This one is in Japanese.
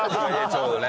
ちょうどね。